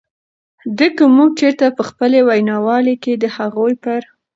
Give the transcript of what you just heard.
د که مونږ چرته په خپلې وینا والۍ کې د هغوئ پر